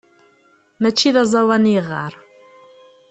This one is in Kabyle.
Mačči d aẓawan i yeɣɣar.